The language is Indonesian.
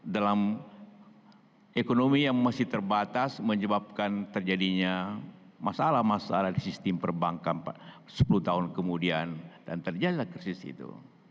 dalam ekonomi yang masih terbatas menyebabkan terjadinya masalah masalah di sistem perbankan sepuluh tahun kemudian dan terjadilah krisis itu